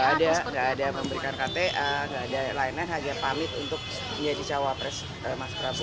gak ada gak ada memberikan kta gak ada lainnya hanya pamit untuk menjadi cawapres mas prabowo